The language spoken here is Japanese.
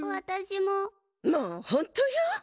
もうほんとよ。